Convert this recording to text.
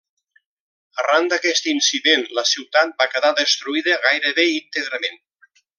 Arran d'aquest incident, la ciutat va quedar destruïda gairebé íntegrament.